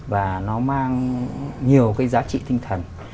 và nó mang nhiều cái giá trị tinh thần